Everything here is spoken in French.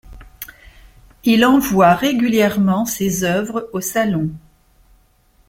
Il envoie régulièrement ses œuvres au Salon.